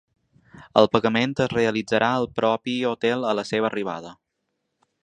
El pagament es realitzarà al propi hotel a la seva arribada.